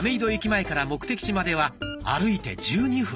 前から目的地までは歩いて１２分。